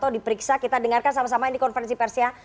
diperiksa kita dengarkan sama sama ini konferensi pers ya